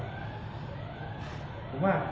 ผู้ว่า